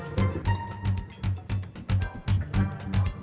nekarang aku minta maaf dua puluh dua sama ani itu saatwsu